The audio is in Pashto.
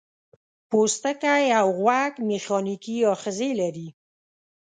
پوستکی او غوږ میخانیکي آخذې لري.